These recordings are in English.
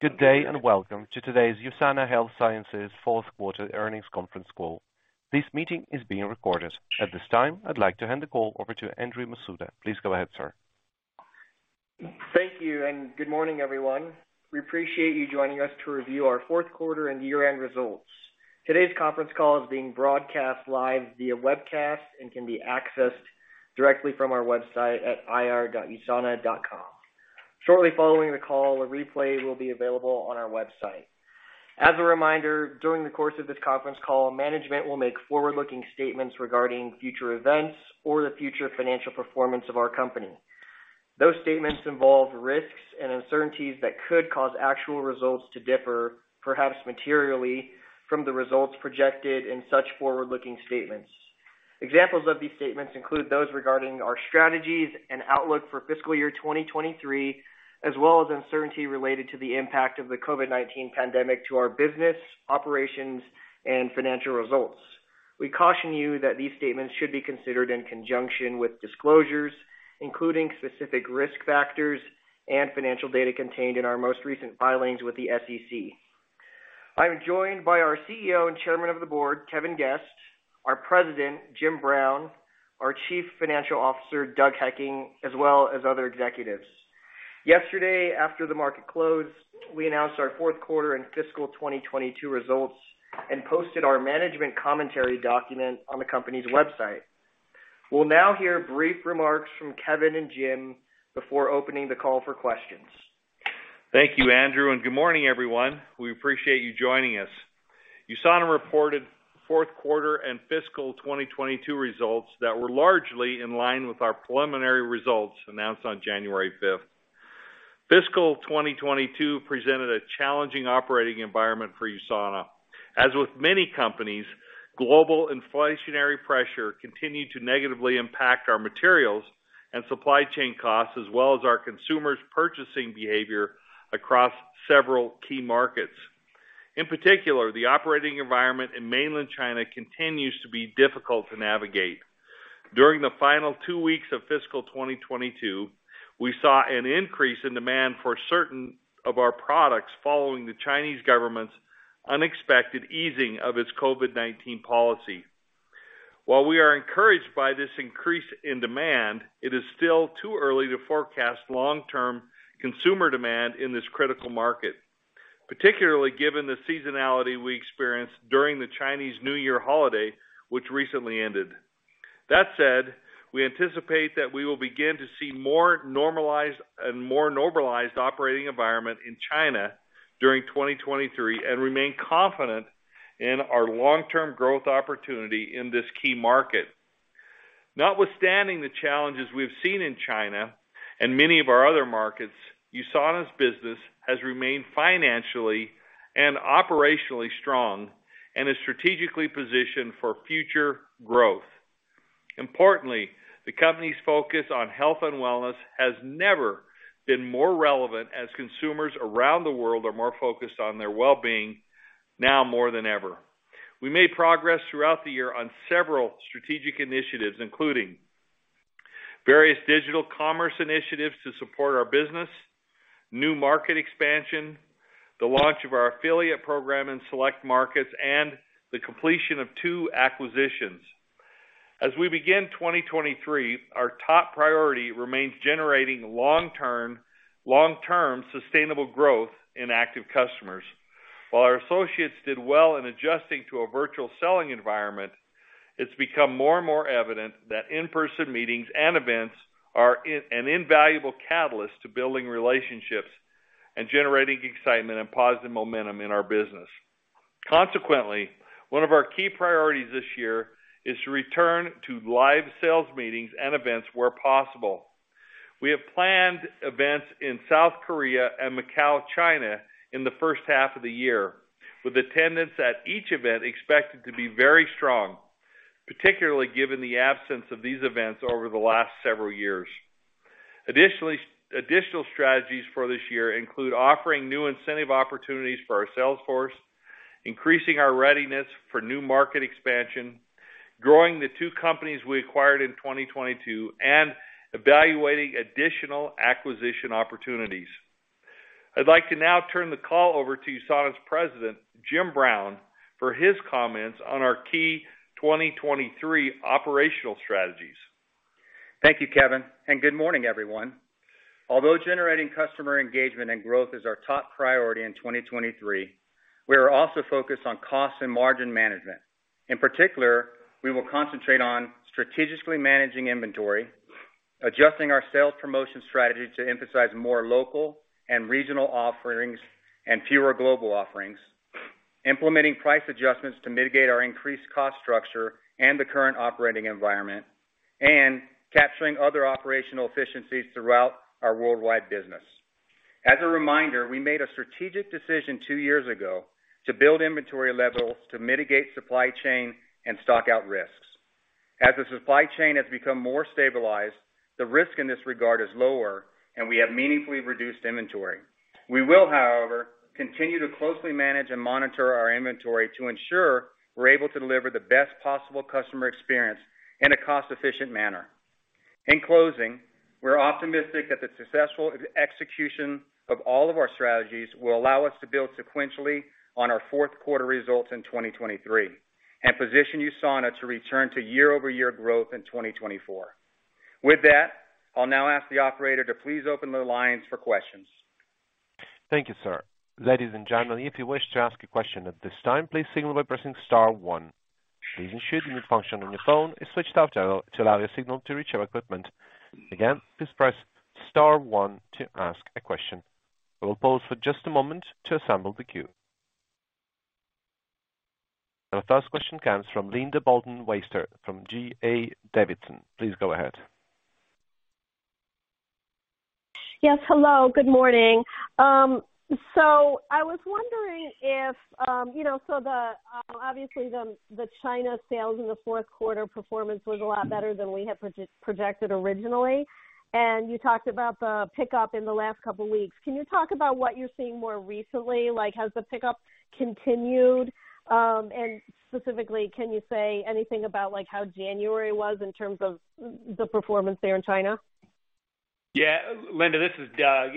Good day, welcome to today's USANA Health Sciences fourth quarter earnings conference call. This meeting is being recorded. At this time, I'd like to hand the call over to Andrew Masuda. Please go ahead, sir. Thank you, and good morning, everyone. We appreciate you joining us to review our fourth quarter and year-end results. Today's conference call is being broadcast live via webcast and can be accessed directly from our website at ir.usana.com. Shortly following the call, a replay will be available on our website. As a reminder, during the course of this conference call, management will make forward-looking statements regarding future events or the future financial performance of our company. Those statements involve risks and uncertainties that could cause actual results to differ, perhaps materially, from the results projected in such forward-looking statements. Examples of these statements include those regarding our strategies and outlook for fiscal year 2023, as well as uncertainty related to the impact of the COVID-19 pandemic to our business, operations, and financial results. We caution you that these statements should be considered in conjunction with disclosures, including specific risk factors and financial data contained in our most recent filings with the SEC. I'm joined by our CEO and Chairman of the Board, Kevin Guest, our President, Jim Brown, our Chief Financial Officer, Doug Hekking, as well as other executives. Yesterday, after the market closed, we announced our fourth quarter and fiscal 2022 results and posted our management commentary document on the company's website. We'll now hear brief remarks from Kevin and Jim before opening the call for questions. Thank you, Andrew. Good morning, everyone. We appreciate you joining us. USANA reported fourth quarter and fiscal 2022 results that were largely in line with our preliminary results announced on January 5. Fiscal 2022 presented a challenging operating environment for USANA. As with many companies, global inflationary pressure continued to negatively impact our materials and supply chain costs, as well as our consumers' purchasing behavior across several key markets. In particular, the operating environment in mainland China continues to be difficult to navigate. During the final two weeks of fiscal 2022, we saw an increase in demand for certain of our products following the Chinese government's unexpected easing of its COVID-19 policy. While we are encouraged by this increase in demand, it is still too early to forecast long-term consumer demand in this critical market, particularly given the seasonality we experienced during the Chinese New Year holiday, which recently ended. That said, we anticipate that we will begin to see a more normalized operating environment in China during 2023, and remain confident in our long-term growth opportunity in this key market. Notwithstanding the challenges we've seen in China and many of our other markets, USANA's business has remained financially and operationally strong and is strategically positioned for future growth. Importantly, the company's focus on health and wellness has never been more relevant as consumers around the world are more focused on their wellbeing now more than ever. We made progress throughout the year on several strategic initiatives, including various digital commerce initiatives to support our business, new market expansion, the launch of our affiliate program in select markets, and the completion of two acquisitions. As we begin 2023, our top priority remains generating long-term sustainable growth in active customers. While our associates did well in adjusting to a virtual selling environment, it's become more and more evident that in-person meetings and events are an invaluable catalyst to building relationships and generating excitement and positive momentum in our business. One of our key priorities this year is to return to live sales meetings and events where possible. We have planned events in South Korea and Macau, China in the first half of the year, with attendance at each event expected to be very strong, particularly given the absence of these events over the last several years. Additional strategies for this year include offering new incentive opportunities for our sales force, increasing our readiness for new market expansion, growing the two companies we acquired in 2022, and evaluating additional acquisition opportunities. I'd like to now turn the call over to USANA's President, Jim Brown, for his comments on our key 2023 operational strategies. Thank you, Kevin, and good morning, everyone. Although generating customer engagement and growth is our top priority in 2023, we are also focused on cost and margin management. In particular, we will concentrate on strategically managing inventory, adjusting our sales promotion strategy to emphasize more local and regional offerings and fewer global offerings, implementing price adjustments to mitigate our increased cost structure and the current operating environment, and capturing other operational efficiencies throughout our worldwide business. As a reminder, we made a strategic decision two years ago to build inventory levels to mitigate supply chain and stock out risks. As the supply chain has become more stabilized, the risk in this regard is lower, and we have meaningfully reduced inventory. We will, however, continue to closely manage and monitor our inventory to ensure we're able to deliver the best possible customer experience in a cost-efficient manner. In closing, we're optimistic that the successful execution of all of our strategies will allow us to build sequentially on our fourth quarter results in 2023 and position USANA to return to year-over-year growth in 2024. With that, I'll now ask the operator to please open the lines for questions. Thank you, sir. Ladies and gentlemen, if you wish to ask a question at this time, please signal by pressing star one. Please ensure the mute function on your phone is switched off to allow your signal to reach our equipment. Again, please press star one to ask a question. We will pause for just a moment to assemble the queue. Our first question comes from Linda Bolton-Weiser from D.A. Davidson. Please go ahead. Yes. Hello. Good morning. I was wondering if, you know, so the, obviously the China sales in the fourth quarter performance was a lot better than we had projected originally. You talked about the pickup in the last couple weeks. Can you talk about what you're seeing more recently? Like, has the pickup continued? Specifically, can you say anything about, like, how January was in terms of the performance there in China? Yeah. Linda, this is Doug.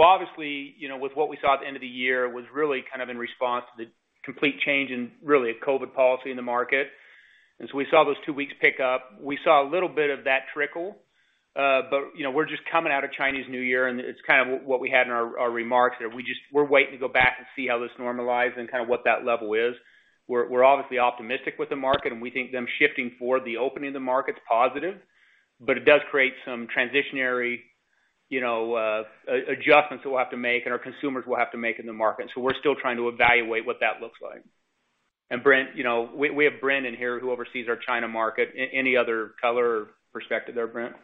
obviously, you know, with what we saw at the end of the year was really kind of in response to the complete change in, really COVID policy in the market. We saw those two weeks pick up. We saw a little bit of that trickle. you know, we're just coming out of Chinese New Year, and it's kind of what we had in our remarks that we're waiting to go back and see how this normalizes and kind of what that level is. We're obviously optimistic with the market, and we think them shifting for the opening of the market is positive, it does create some transitionary, you know, adjustments that we'll have to make and our consumers will have to make in the market. We're still trying to evaluate what that looks like. Brent, you know, we have Brent in here who oversees our China market. Any other color or perspective there, Brent? Yeah.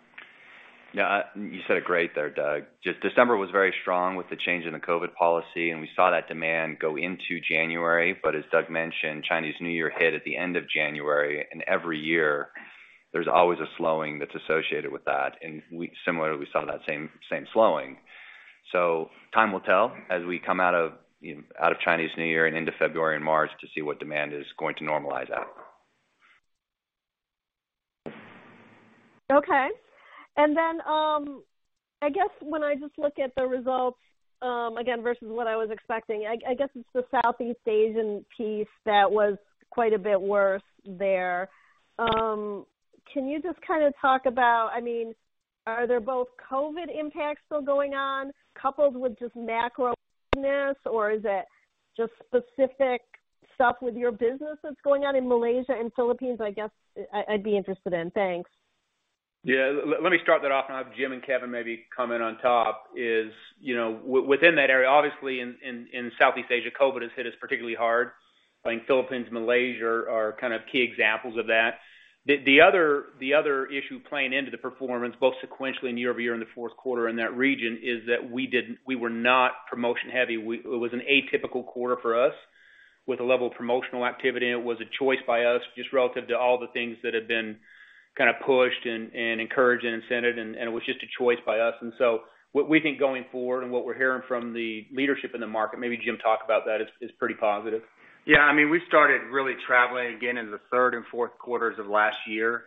You said it great there, Doug. Just December was very strong with the change in the COVID policy, and we saw that demand go into January. As Doug mentioned, Chinese New Year hit at the end of January, and every year there's always a slowing that's associated with that. Similarly, we saw that same slowing. Time will tell as we come out of, you know, out of Chinese New Year and into February and March to see what demand is going to normalize at. Okay. I guess when I just look at the results, again, versus what I was expecting, I guess it's the Southeast Asian piece that was quite a bit worse there. Can you just kind of talk about, I mean, are there both COVID impacts still going on coupled with just macro ness, or is it just specific stuff with your business that's going on in Malaysia and Philippines, I guess, I'd be interested in? Thanks. Yeah. Let me start that off, and I'll have Jim and Kevin maybe come in on top, is, you know, within that area, obviously in Southeast Asia, COVID has hit us particularly hard. I think Philippines, Malaysia are kind of key examples of that. The other issue playing into the performance, both sequentially and year-over-year in the fourth quarter in that region, is that we didn't, we were not promotion heavy. It was an atypical quarter for us with the level of promotional activity, and it was a choice by us just relative to all the things that had been kind of pushed and encouraged and incented, and it was just a choice by us. What we think going forward and what we're hearing from the leadership in the market, maybe Jim talk about that, is pretty positive. Yeah. I mean, we started really traveling again in the third and fourth quarters of last year.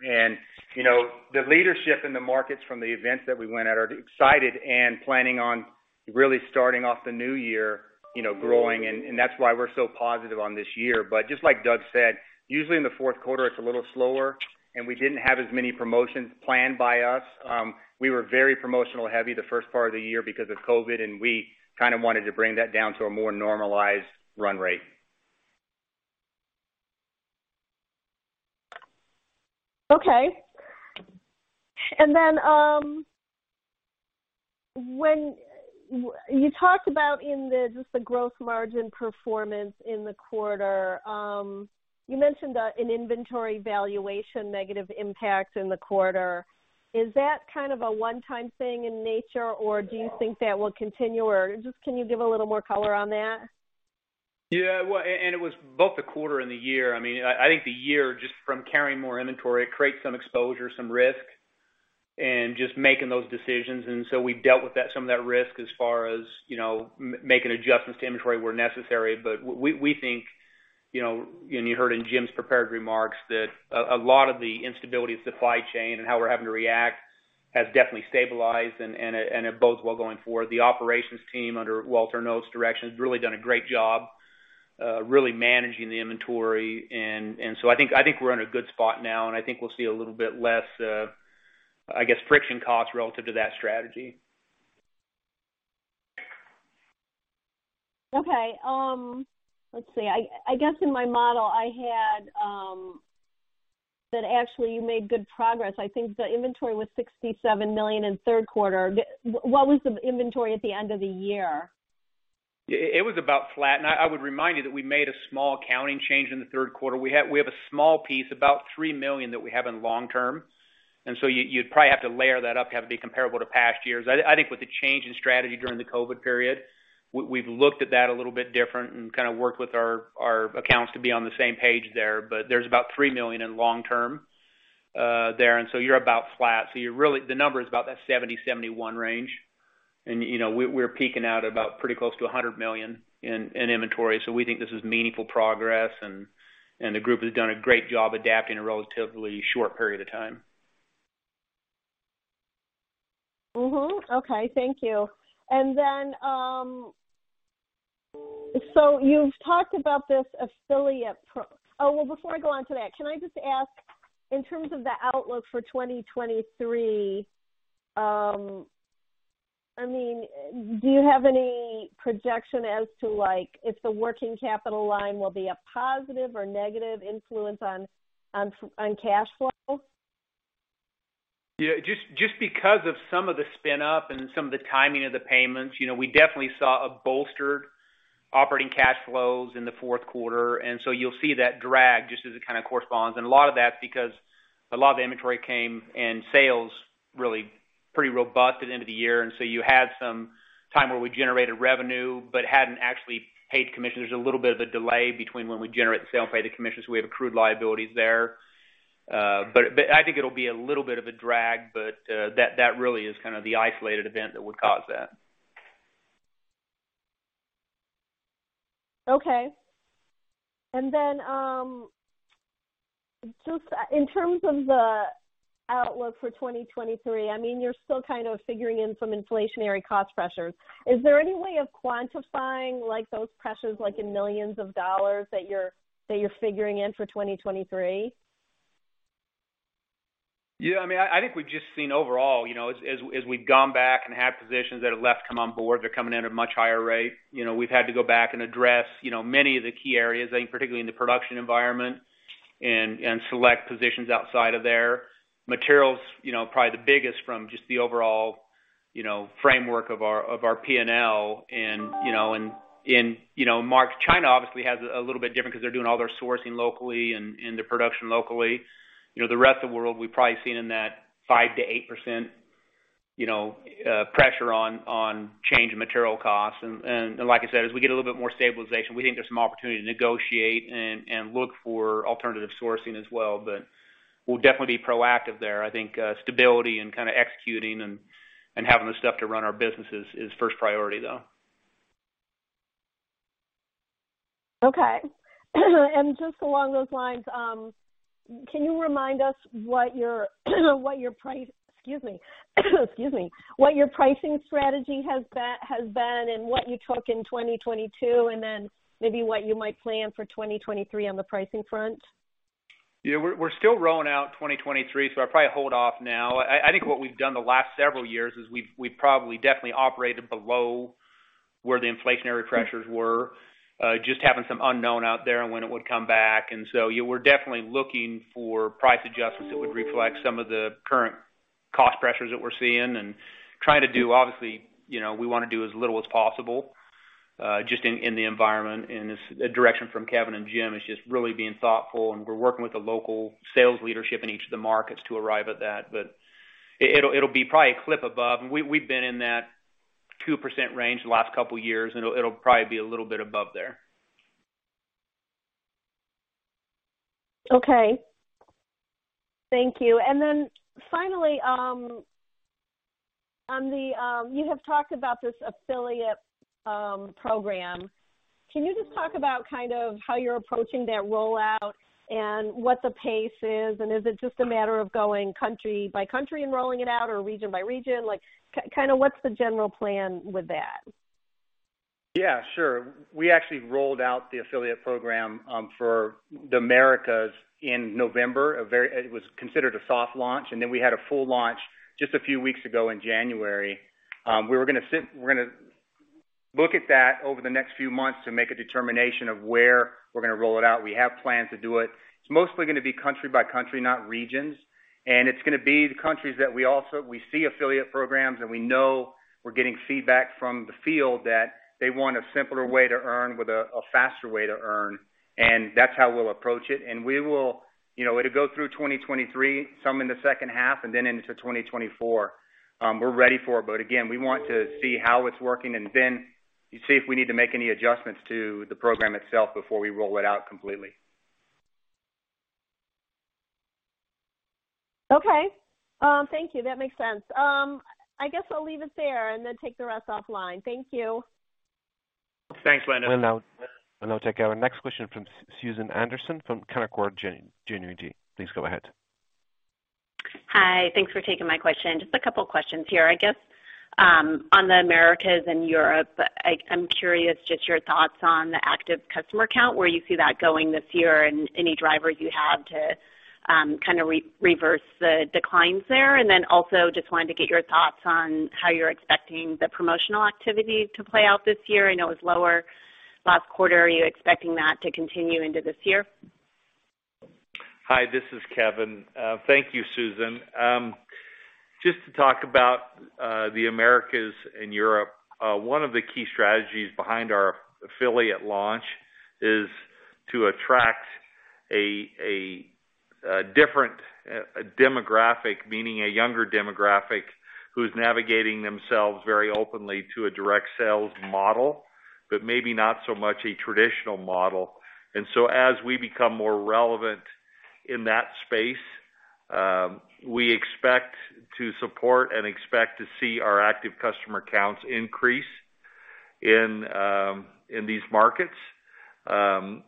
You know, the leadership in the markets from the events that we went at are excited and planning on really starting off the new year, you know, growing, and that's why we're so positive on this year. Just like Doug said, usually in the fourth quarter it's a little slower, and we didn't have as many promotions planned by us. We were very promotional heavy the first part of the year because of COVID, and we kind of wanted to bring that down to a more normalized run rate. Okay. You talked about in the just the gross margin performance in the quarter. You mentioned an inventory valuation negative impact in the quarter. Is that kind of a one-time thing in nature, or do you think that will continue? Just can you give a little more color on that? Yeah. Well, and it was both the quarter and the year. I mean, I think the year, just from carrying more inventory, it creates some exposure, some risk, and just making those decisions. So we dealt with that, some of that risk as far as, you know, making adjustments to inventory where necessary. We think, you know, and you heard in Jim's prepared remarks that a lot of the instability of supply chain and how we're having to react has definitely stabilized, and it bodes well going forward. The operations team under Walter Noot's direction has really done a great job, really managing the inventory. So I think we're in a good spot now, and I think we'll see a little bit less, I guess, friction costs relative to that strategy. Let's see. I guess in my model I had, that actually you made good progress. I think the inventory was $67 million in the third quarter. What was the inventory at the end of the year? It was about flat. I would remind you that we made a small accounting change in the third quarter. We have a small piece, about $3 million, that we have in long term, you'd probably have to layer that up to have it be comparable to past years. I think with the change in strategy during the COVID period, we've looked at that a little bit different and kind of worked with our accounts to be on the same page there. There's about $3 million in long term. There, you're about flat. The number is about that 70%-71% range. you know, we're peaking out about pretty close to $100 million in inventory. We think this is meaningful progress and the group has done a great job adapting in a relatively short period of time. Okay. Thank you. You've talked about this affiliate. Well, before I go on to that, can I just ask, in terms of the outlook for 2023, I mean, do you have any projection as to, like, if the working capital line will be a positive or negative influence on cash flows? Just because of some of the spin up and some of the timing of the payments, you know, we definitely saw a bolstered operating cash flows in the fourth quarter, so you'll see that drag just as it kind of corresponds. A lot of that's because a lot of the inventory came and sales really pretty robust at the end of the year. You had some time where we generated revenue but hadn't actually paid commissions. There's a little bit of a delay between when we generate the sale and pay the commission, so we have accrued liabilities there. But I think it'll be a little bit of a drag, but that really is kind of the isolated event that would cause that. Okay. Just, in terms of the outlook for 2023, I mean, you're still kind of figuring in some inflationary cost pressures. Is there any way of quantifying, like, those pressures, like, in millions of dollars that you're figuring in for 2023? I mean, I think we've just seen overall, you know, as we've gone back and had positions that have left come on board, they're coming in at a much higher rate. You know, we've had to go back and address, you know, many of the key areas, I think particularly in the production environment and select positions outside of there. Materials, you know, probably the biggest from just the overall, you know, framework of our P&L. You know, and, you know, Mark, China obviously has a little bit different 'cause they're doing all their sourcing locally and their production locally. You know, the rest of the world, we've probably seen in that 5%-8%, you know, pressure on change in material costs. Like I said, as we get a little bit more stabilization, we think there's some opportunity to negotiate and look for alternative sourcing as well. We'll definitely be proactive there. I think stability and kinda executing and having the stuff to run our business is first priority, though. Okay. Just along those lines, can you remind us Excuse me. What your pricing strategy has been and what you took in 2022, and then maybe what you might plan for 2023 on the pricing front? Yeah. We're still rolling out 2023, I'd probably hold off now. I think what we've done the last several years is we've probably definitely operated below where the inflationary pressures were, just having some unknown out there on when it would come back. You were definitely looking for price adjustments that would reflect some of the current cost pressures that we're seeing and trying to do. Obviously, you know, we wanna do as little as possible, just in the environment. This direction from Kevin and Jim is just really being thoughtful, and we're working with the local sales leadership in each of the markets to arrive at that. It'll be probably a clip above. We've been in that 2% range the last couple years, and it'll probably be a little bit above there. Okay. Thank you. Finally, on the... You have talked about this affiliate program. Can you just talk about kind of how you're approaching that rollout and what the pace is, and is it just a matter of going country by country and rolling it out or region by region? Like, kind of what's the general plan with that? Yeah, sure. We actually rolled out the affiliate program for the Americas in November. It was considered a soft launch, then we had a full launch just a few weeks ago in January. We're gonna look at that over the next few months to make a determination of where we're gonna roll it out. We have plans to do it. It's mostly gonna be country by country, not regions. It's gonna be the countries that we see affiliate programs and we know we're getting feedback from the field that they want a simpler way to earn with a faster way to earn, and that's how we'll approach it. We will, you know, it'll go through 2023, some in the second half and then into 2024. We're ready for it. Again, we want to see how it's working and then see if we need to make any adjustments to the program itself before we roll it out completely. Okay. Thank you. That makes sense. I guess I'll leave it there and then take the rest offline. Thank you. Thanks, Linda. I'll now take our next question from Susan Anderson from Canaccord Genuity. Please go ahead. Hi. Thanks for taking my question. Just a couple questions here, I guess. On the Americas and Europe, I'm curious just your thoughts on the active customer count, where you see that going this year and any drivers you have to kind of re-reverse the declines there. Also just wanted to get your thoughts on how you're expecting the promotional activity to play out this year. I know it was lower last quarter. Are you expecting that to continue into this year? Hi, this is Kevin. Thank you, Susan. Just to talk about the Americas and Europe, one of the key strategies behind our affiliate launch is to attract a different demographic, meaning a younger demographic, who's navigating themselves very openly to a direct sales model, but maybe not so much a traditional model. As we become more relevant in that space, we expect to support and expect to see our active customer counts increase in these markets. One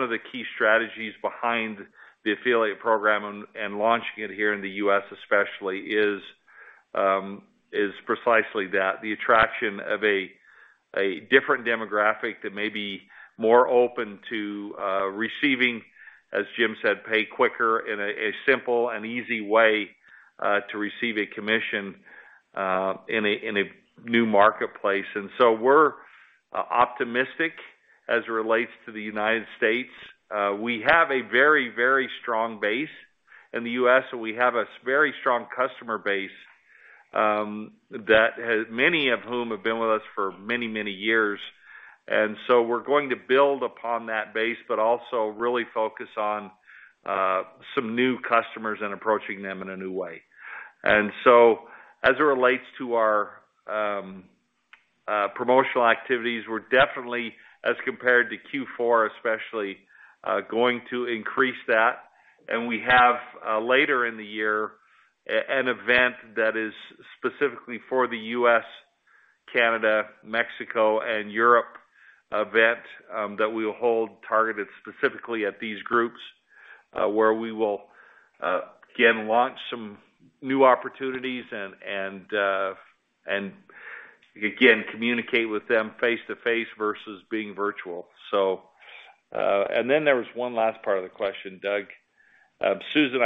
of the key strategies behind the affiliate program and launching it here in the U.S. especially is precisely that the attraction of a different demographic that may be more open to receiving, as Jim said, pay quicker in a simple and easy way to receive a commission in a new marketplace. We're optimistic as it relates to the United States. We have a very, very strong base in the U.S., and we have a very strong customer base that has many of whom have been with us for many, many years. We're going to build upon that base, but also really focus on some new customers and approaching them in a new way. As it relates to our promotional activities, we're definitely, as compared to Q4 especially, going to increase that. We have later in the year, an event that is specifically for the U.S., Canada, Mexico, and Europe event, that we'll hold targeted specifically at these groups, where we will again, launch some new opportunities and again, communicate with them face-to-face versus being virtual. There was one last part of the question, Doug. Susan,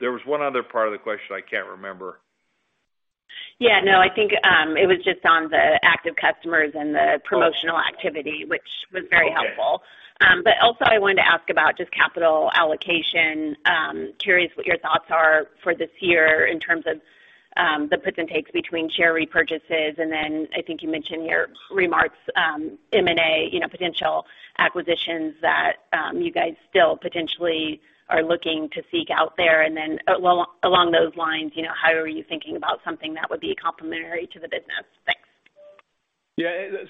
there was one other part of the question I can't remember. No, I think it was just on the active customers and the promotional activity, which was very helpful. Okay. Also I wanted to ask about just capital allocation. Curious what your thoughts are for this year in terms of the puts and takes between share repurchases, and then I think you mentioned your remarks, M&A, you know, potential acquisitions that you guys still potentially are looking to seek out there. Well, along those lines, you know, how are you thinking about something that would be complementary to the business? Thanks.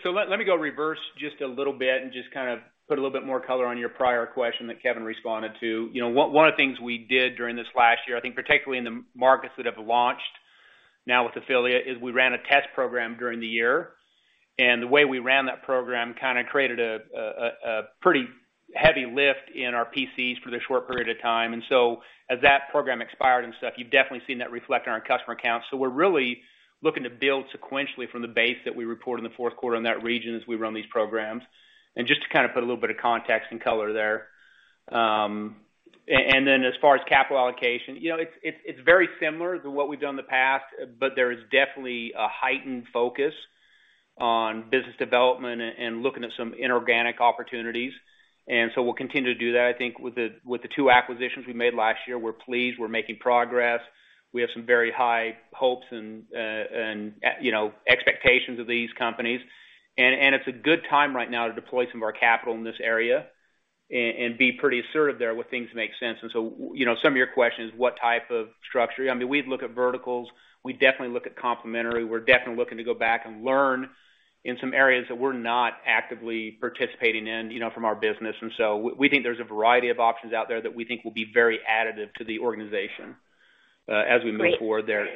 Let me go reverse just a little bit and just kind of put a little bit more color on your prior question that Kevin responded to. You know, one of the things we did during this last year, I think particularly in the markets that have launched now with affiliate, is we ran a test program during the year. The way we ran that program kind of created a pretty heavy lift in our PCs for the short period of time. As that program expired and stuff, you've definitely seen that reflect on our customer counts. We're really looking to build sequentially from the base that we report in the fourth quarter in that region as we run these programs. Just to kind of put a little bit of context and color there. Then as far as capital allocation, you know, it's, it's very similar to what we've done in the past, but there is definitely a heightened focus on business development and looking at some inorganic opportunities. We'll continue to do that. I think with the, with the two acquisitions we made last year, we're pleased we're making progress. We have some very high hopes and, you know, expectations of these companies. And, and it's a good time right now to deploy some of our capital in this area and be pretty assertive there when things make sense. You know, some of your question is what type of structure? I mean, we'd look at verticals. We definitely look at complementary. We're definitely looking to go back and learn in some areas that we're not actively participating in, you know, from our business. We think there's a variety of options out there that we think will be very additive to the organization, as we move forward there.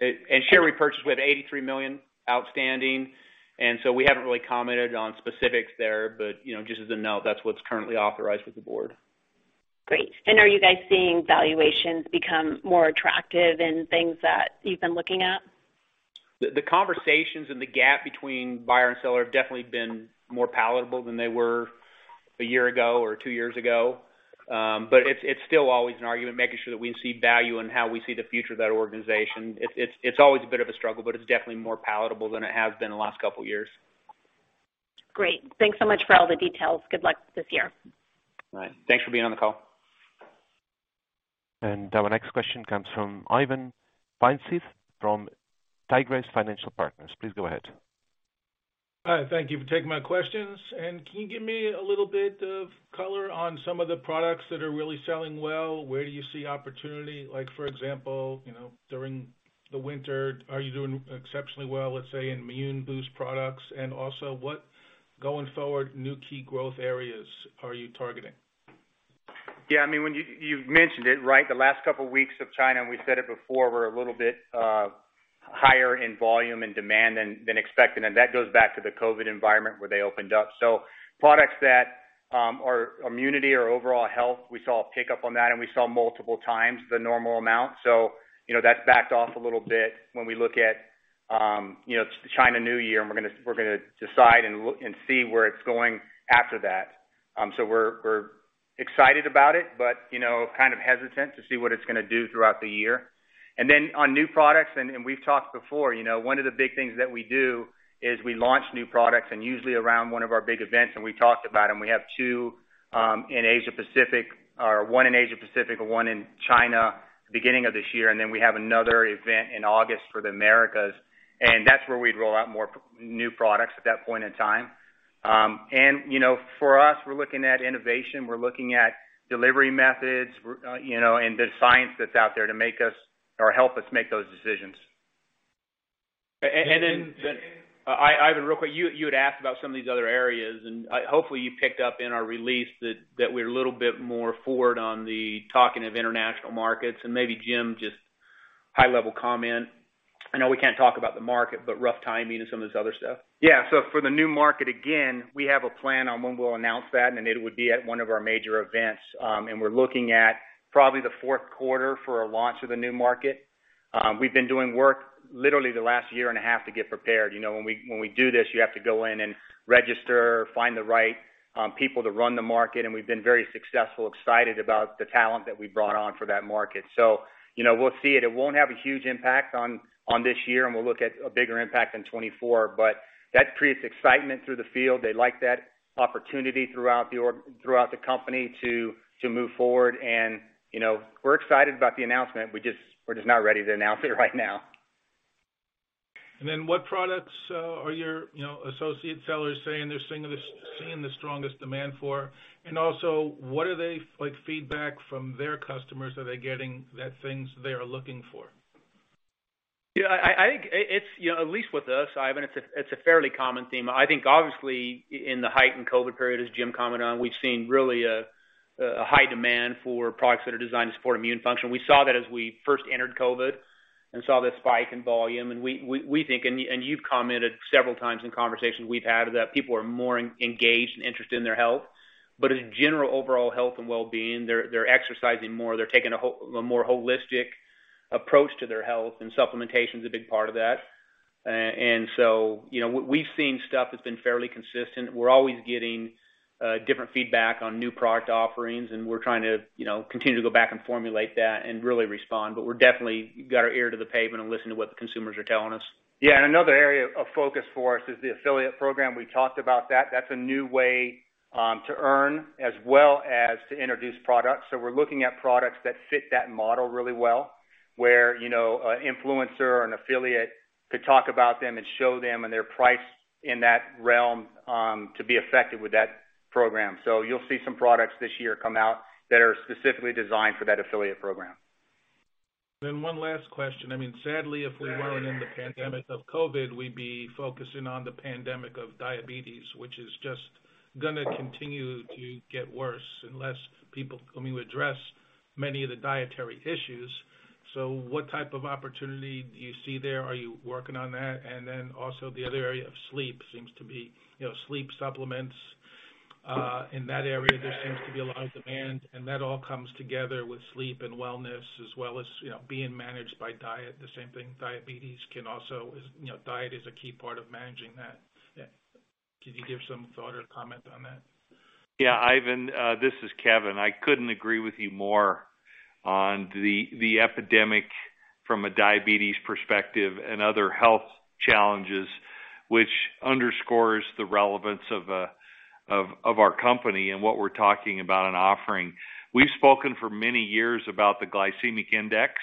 Great. Share repurchase, we have $83 million outstanding, and so we haven't really commented on specifics there. you know, just as a note, that's what's currently authorized with the board. Great. Are you guys seeing valuations become more attractive in things that you've been looking at? The conversations and the gap between buyer and seller have definitely been more palatable than they were a year ago or two years ago. It's still always an argument, making sure that we see value in how we see the future of that organization. It's always a bit of a struggle. It's definitely more palatable than it has been in the last couple years. Great. Thanks so much for all the details. Good luck this year. All right. Thanks for being on the call. Our next question comes from Ivan Feinseth from Tigress Financial Partners. Please go ahead. Hi, thank you for taking my questions. Can you give me a little bit of color on some of the products that are really selling well? Where do you see opportunity? Like, for example, you know, during the winter, are you doing exceptionally well, let's say, in immune boost products? Also what, going forward, new key growth areas are you targeting? I mean, when you've mentioned it, right? The last couple of weeks of China, we said it before, were a little bit higher in volume and demand than expected, and that goes back to the COVID environment where they opened up. Products that are immunity or overall health, we saw a pickup on that, and we saw multiple times the normal amount. You know, that's backed off a little bit when we look at, you know, Chinese New Year, and we're gonna decide and look and see where it's going after that. We're excited about it, but, you know, kind of hesitant to see what it's gonna do throughout the year. On new products, and we've talked before, you know, one of the big things that we do is we launch new products and usually around one of our big events, and we talked about them. We have two in Asia-Pacific, or one in Asia-Pacific and 1 in China beginning of this year, then we have another event in August for the Americas. That's where we'd roll out more new products at that point in time. You know, for us, we're looking at innovation. We're looking at delivery methods, you know, and the science that's out there to make us or help us make those decisions. Ivan, real quick, you had asked about some of these other areas, hopefully you picked up in our release that we're a little bit more forward on the talking of international markets. Jim, just high-level comment. I know we can't talk about the market, but rough timing and some of this other stuff. Yeah. For the new market, again, we have a plan on when we'll announce that, and it would be at one of our major events. We're looking at probably the fourth quarter for a launch of the new market. We've been doing work literally the last year and a half to get prepared. You know, when we do this, you have to go in and register, find the right people to run the market, and we've been very successful, excited about the talent that we brought on for that market. You know, we'll see it. It won't have a huge impact on this year, and we'll look at a bigger impact in 2024. That creates excitement through the field. They like that opportunity throughout the company to move forward. you know, we're excited about the announcement. We're just not ready to announce it right now. What products, are your, you know, associate sellers saying they're seeing the strongest demand for? What are they, like, feedback from their customers are they getting that things they are looking for? Yeah, I think it's, you know, at least with us, Ivan, it's a fairly common theme. I think obviously in the height in COVID period, as Jim commented on, we've seen really a high demand for products that are designed to support immune function. We saw that as we first entered COVID and saw that spike in volume. We think and you've commented several times in conversations we've had that people are more engaged and interested in their health. In general, overall health and wellbeing, they're exercising more, they're taking a more holistic approach to their health, and supplementation is a big part of that. You know, we've seen stuff that's been fairly consistent. We're always getting different feedback on new product offerings, and we're trying to, you know, continue to go back and formulate that and really respond. We're definitely got our ear to the pavement and listen to what the consumers are telling us. Yeah. Another area of focus for us is the affiliate program. We talked about that. That's a new way to earn as well as to introduce products. We're looking at products that fit that model really well, where, you know, a influencer or an affiliate could talk about them and show them and they're priced in that realm to be effective with that program. You'll see some products this year come out that are specifically designed for that affiliate program. One last question. I mean, sadly, if we weren't in the pandemic of COVID, we'd be focusing on the pandemic of diabetes, which is just gonna continue to get worse unless people come to address many of the dietary issues. What type of opportunity do you see there? Are you working on that? Then also the other area of sleep seems to be, you know, sleep supplements. In that area, there seems to be a lot of demand, and that all comes together with sleep and wellness as well as, you know, being managed by diet. The same thing, diabetes can also, you know, diet is a key part of managing that. Can you give some thought or comment on that? Yeah, Ivan, this is Kevin. I couldn't agree with you more on the epidemic from a diabetes perspective and other health challenges, which underscores the relevance of our company and what we're talking about and offering. We've spoken for many years about the glycemic index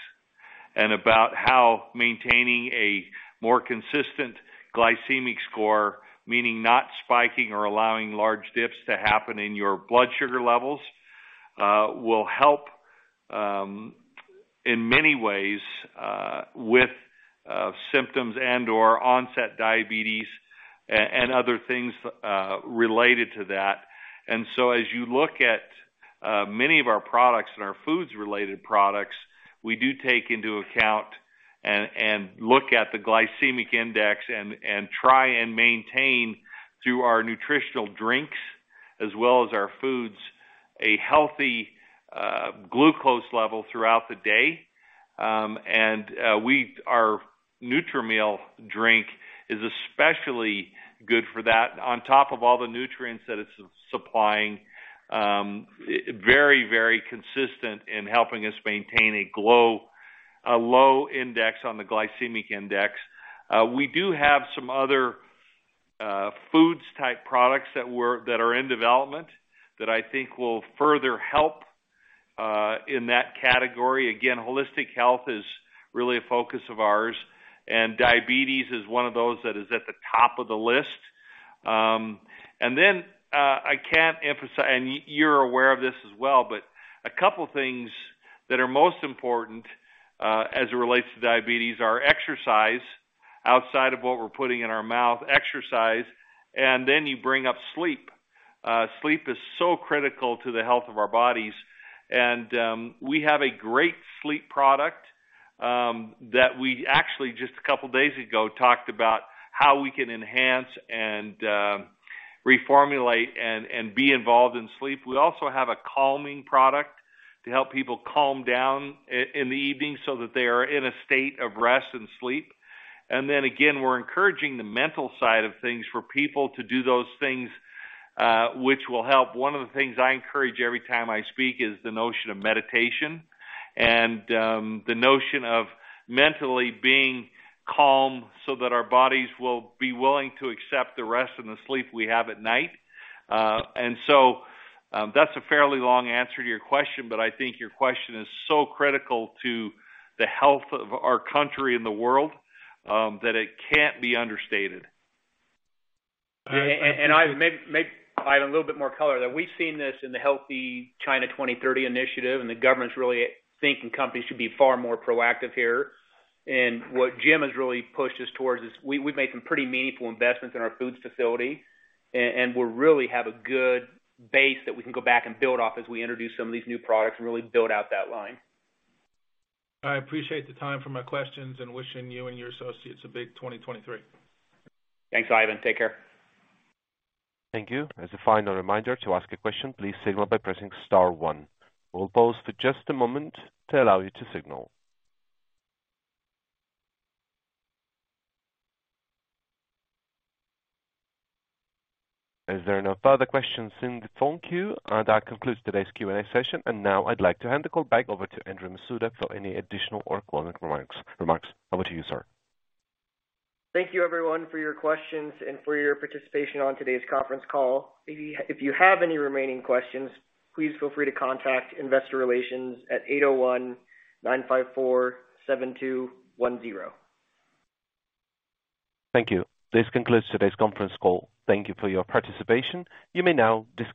and about how maintaining a more consistent glycemic score, meaning not spiking or allowing large dips to happen in your blood sugar levels, will help in many ways with symptoms and/or onset diabetes and other things related to that. As you look at many of our products and our foods-related products, we do take into account and look at the glycemic index and try and maintain through our nutritional drinks as well as our foods, a healthy glucose level throughout the day. Our Nutrimeal drink is especially good for that. On top of all the nutrients that it's supplying, very consistent in helping us maintain a low index on the glycemic index. We do have some other, foods type products that are in development that I think will further help in that category. Again, holistic health is really a focus of ours, and diabetes is one of those that is at the top of the list. I can't emphasize... You're aware of this as well, but a couple things that are most important as it relates to diabetes are exercise outside of what we're putting in our mouth, exercise, and then you bring up sleep. Sleep is so critical to the health of our bodies. We have a great sleep product that we actually just a couple days ago talked about how we can enhance and reformulate and be involved in sleep. We also have a calming product to help people calm down in the evening so that they are in a state of rest and sleep. Again, we're encouraging the mental side of things for people to do those things, which will help. One of the things I encourage every time I speak is the notion of meditation and the notion of mentally being calm so that our bodies will be willing to accept the rest and the sleep we have at night. That's a fairly long answer to your question, but I think your question is so critical to the health of our country and the world, that it can't be understated. Ivan, a little bit more color, that we've seen this in the Healthy China 2030 initiative, and the government's really thinking companies should be far more proactive here. What Jim has really pushed us towards is we've made some pretty meaningful investments in our foods facility, and we're really have a good base that we can go back and build off as we introduce some of these new products and really build out that line. I appreciate the time for my questions and wishing you and your associates a big 2023. Thanks, Ivan. Take care. Thank you. As a final reminder to ask a question, please signal by pressing star one. We'll pause for just a moment to allow you to signal. As there are no further questions in the phone queue, that concludes today's Q&A session. Now I'd like to hand the call back over to Andrew Masuda for any additional or closing remarks. Over to you, sir. Thank you everyone for your questions and for your participation on today's conference call. If you have any remaining questions, please feel free to contact investor relations at 801-954-7210. Thank you. This concludes today's conference call. Thank you for your participation. You may now disconnect.